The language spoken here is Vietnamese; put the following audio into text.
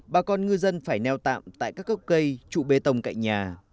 bà con ngư dân phải neo tạm tại các gốc cây trụ bê tông cạnh nhà